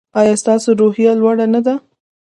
ایا ستاسو روحیه لوړه نه ده؟